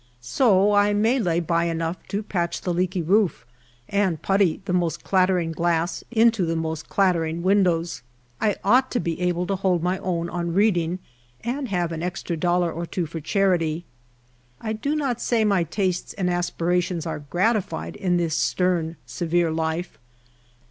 So I may lay by enough to patch the 3© HALF A DIME A DAY. leaky roof and putty the most clattering glass into the most clatteiing windows. I ought to be able to hold my own on reading, and have an extra dollar or two for charity. 1 do not say my tastes and aspirations are gratified in this • stern, severe life.